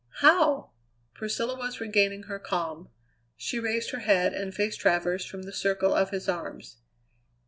"How?" Priscilla was regaining her calm; she raised her head and faced Travers from the circle of his arms.